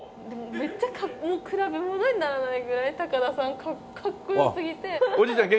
めっちゃ比べものにならないぐらい高田さんかっこよすぎて。おじいちゃん